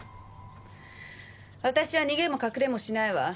私は逃げも隠れもしないわ。